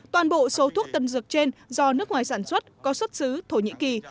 toàn bộ số thuốc tân dược trên do nước ngoài sản xuất có xuất xứ thổ nhĩ kỳ